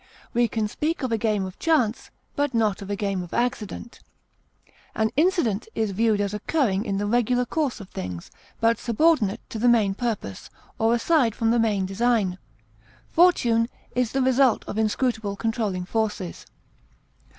We can speak of a game of chance, but not of a game of accident. An incident is viewed as occurring in the regular course of things, but subordinate to the main purpose, or aside from the main design. Fortune is the result of inscrutable controlling forces.